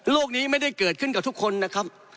นี้ไม่ได้เกิดขึ้นกับทุกคนนะครับ